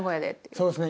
そうですね。